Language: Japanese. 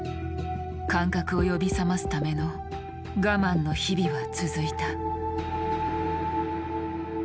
感覚を呼び覚ますための我慢の日々は続いた。